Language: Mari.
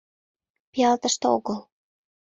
Пиал тыште огыл.